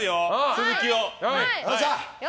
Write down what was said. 続きを。